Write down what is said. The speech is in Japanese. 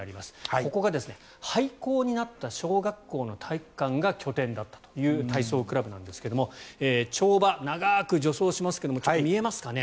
ここが廃校になった小学校の体育館が拠点だったという体操クラブなんですけど跳馬、長く助走しますけれども見えますかね。